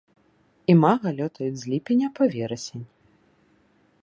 Імага лётаюць з ліпеня па верасень.